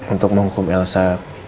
untuk menghukum elsa